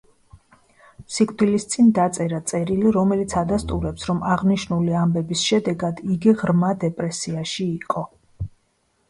სიკვდილის წინ დაწერა წერილი, რომელიც ადასტურებს, რომ აღნიშნული ამბების შედეგად იგი ღრმა დეპრესიაში იყო.